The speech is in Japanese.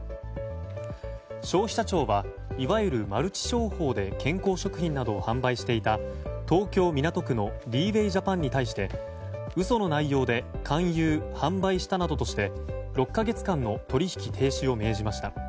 消費者庁はいわゆるマルチ商法で健康食品などを販売していた東京・港区のリーウェイジャパンに対して嘘の内容で勧誘・販売したなどとして６か月間の取引停止を命じました。